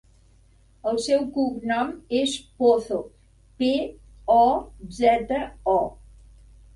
El seu cognom és Pozo: pe, o, zeta, o.